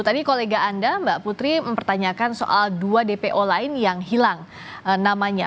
tadi kolega anda mbak putri mempertanyakan soal dua dpo lain yang hilang namanya